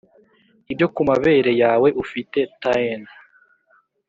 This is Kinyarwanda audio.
ibyo kumabere yawe ufite ta'en.